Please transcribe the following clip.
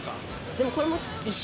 でもこれも一瞬。